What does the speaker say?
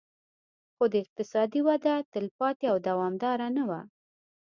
خو دا اقتصادي وده تلپاتې او دوامداره نه وه